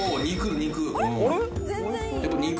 肉！